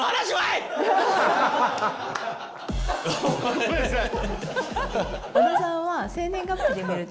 ごめんなさい。